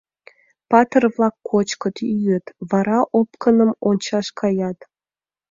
Патыр-влак кочкыт, йӱыт, вара Опкыным ончаш каят.